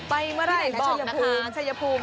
ไปเมื่อได้ล่ะชัยภูมิ